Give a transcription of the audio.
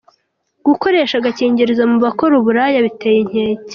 Gukoresha agakingirizo mu bakora uburaya biteye inkeke.